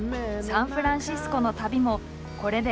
サンフランシスコの旅もこれで終わり。